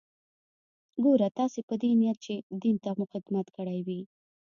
ګوره تاسې په دې نيت چې دين ته مو خدمت کړى وي.